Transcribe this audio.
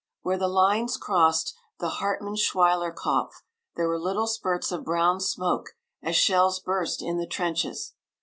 Where the lines crossed the Hartmannsweilerkopf there were little spurts of brown smoke as shells burst in the trenches.